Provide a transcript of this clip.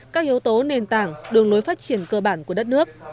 các yếu tố nền tảng đường lối phát triển cơ bản của đất nước